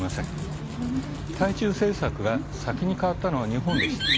対中政策が先に変わったのは日本でした。